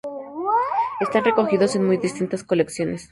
Están recogidos en muy distintas colecciones.